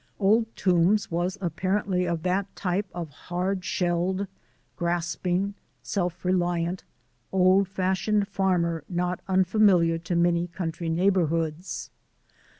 Old Toombs was apparently of that type of hard shelled, grasping, self reliant, old fashioned farmer not unfamiliar to many country neighbourhoods.